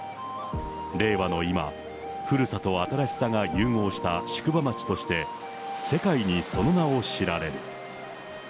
令和の今、古さと新しさが融合した宿場町として、世界にその名を知られる。